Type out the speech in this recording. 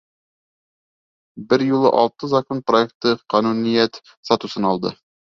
Бер юлы алты закон проекты ҡануниәт статусын алды.